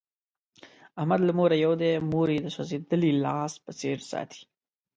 احمد له موره یو دی، مور یې د سوزېدلي لاس په څیر ساتي.